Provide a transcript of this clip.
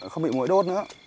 không bị mũi đốt nữa